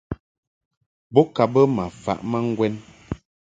Bo ka bə ma faʼ ma ŋgwɛn.